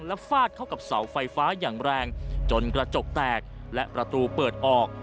และฟาดเข้ากับเสาไฟฟ้าอย่างแรงจนกระจกแตกและประตูเปิดออก